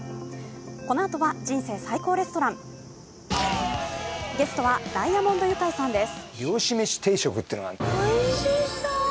このあとは「人生最高レストラン」ゲストは、ダイアモンド☆ユカイさんです。